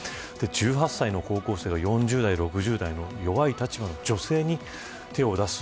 １８歳の高校生が４０代、６０代の弱い立場の女性に手を出す。